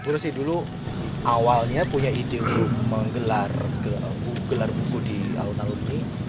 terus dulu awalnya punya ide untuk menggelar gelar buku di alun alun ini